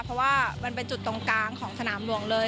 เพราะว่ามันเป็นจุดตรงกลางของสนามหลวงเลย